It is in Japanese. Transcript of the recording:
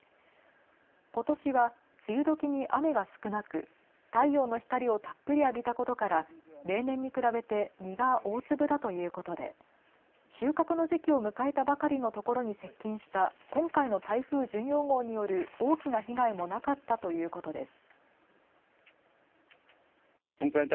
ことしは梅雨どきに雨が少なく太陽の光をたっぷり浴びたことから例年に比べて実が大粒だということで収穫の時期を迎えたばかりのところに接近した今回の台風１４号による大きな被害もなかったということです。